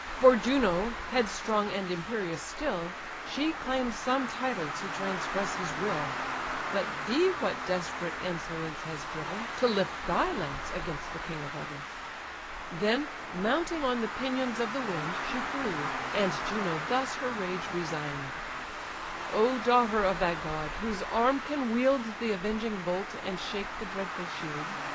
For Juno, headstrong and imperious still, She claims some title to transgress his will: But thee, what desperate insolence has driven To lift thy lance against the king of heaven?" Then, mounting on the pinions of the wind, She flew; and Juno thus her rage resign'd: "O daughter of that god, whose arm can wield The avenging bolt, and shake the saber shield!